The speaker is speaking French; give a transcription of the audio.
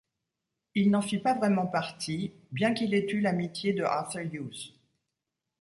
Il n'en fit pas vraiment partie bien qu'il ait eu l'amitié de Arthur Hughes.